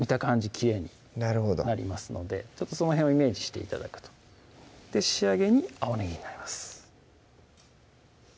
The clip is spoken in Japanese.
きれいになりますのでちょっとその辺をイメージして頂くと仕上げに青ねぎになります